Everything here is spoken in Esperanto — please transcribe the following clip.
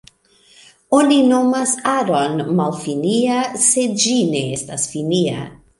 Oni nomas aron malfinia, se ĝi ne estas finia.